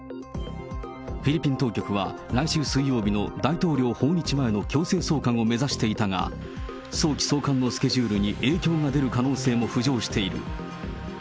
フィリピン当局は、来週水曜日の大統領訪日前の強制送還を目指していたが、早期送還のスケジュールに影響が出る可能性も浮上している。